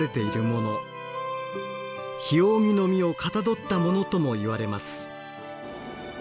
「ひおうぎ」の実をかたどったものともいわれます。